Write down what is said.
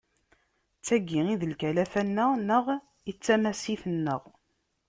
D tagi i d lkalafa-nneɣ neɣ i d tamasit-nneɣ.